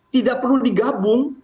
tidak perlu digabung